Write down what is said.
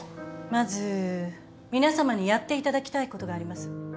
まず皆さまにやっていただきたいことがあります。